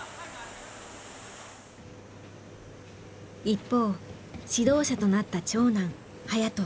一方指導者となった長男颯人。